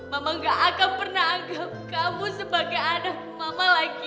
mama gak akan pernah anggap kamu sebagai anak mama lagi